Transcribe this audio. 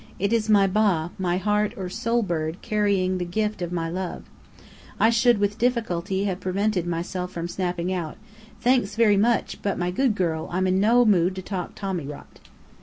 It is my Ba my Heart or Soul bird carrying the gift of my love:" I should with difficulty have prevented myself from snapping out, "Thanks very much; but, my good girl, I'm in no mood to talk tommy rot."